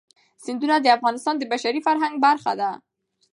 سیندونه د افغانستان د بشري فرهنګ برخه ده.